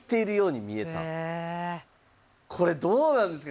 これどうなんですか？